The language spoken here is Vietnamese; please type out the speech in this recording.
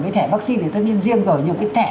cái thẻ vaccine thì tất nhiên riêng rồi như cái thẻ